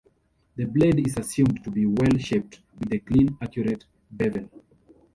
The blade is assumed to be well shaped, with a clean accurate bevel.